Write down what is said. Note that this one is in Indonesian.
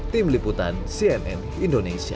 tim liputan cnn indonesia